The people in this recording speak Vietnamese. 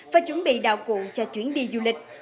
và chuẩn bị đạo cụ cho chuyến đi du lịch